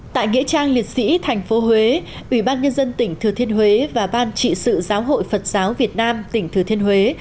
tại nghĩa trang liệt sĩ thành phố huế ủy ban nhân dân tỉnh thừa thiên huế và ban trị sự giáo hội phật giáo việt nam tỉnh thừa thiên huế